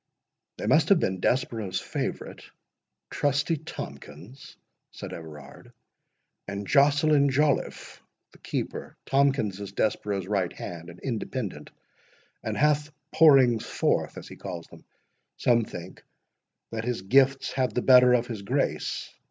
"They must have been Desborough's favourite, trusty Tomkins," said Everard, "and Joceline Joliffe, the keeper. Tomkins is Desborough's right hand—an Independent, and hath pourings forth, as he calls them. Some think that his gifts have the better of his grace.